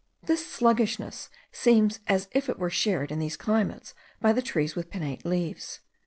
This sluggishness seems as if it were shared in those climates by the trees with pinnate leaves.